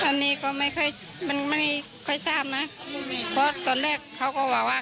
อันนี้ก็ไม่ค่อยมันไม่ค่อยทราบนะเพราะตอนแรกเขาก็บอกว่า